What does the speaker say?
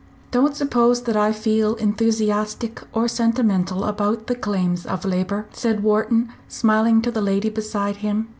"Don't suppose that I feel enthusiastic or sentimental about the 'claims of Labour,'" said Wharton, smiling to the lady beside him.